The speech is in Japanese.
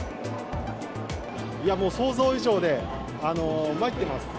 もう想像以上で、まいってます。